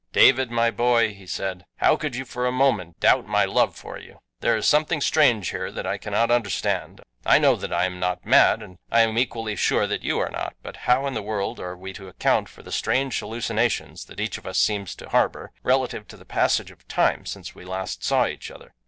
"David, my boy," he said, "how could you for a moment doubt my love for you? There is something strange here that I cannot understand. I know that I am not mad, and I am equally sure that you are not; but how in the world are we to account for the strange hallucinations that each of us seems to harbor relative to the passage of time since last we saw each other.